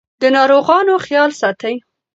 د ناروغانو خیال ساتئ.